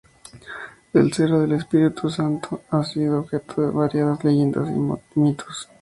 El Cerro del Espíritu Santo ha sido objeto de variadas leyendas y mitos.